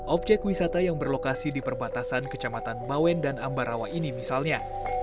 objek wisata yang berlokasi di perbatasan kecamatan bawen dan ambarawa ini misalnya